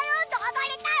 踊りたい！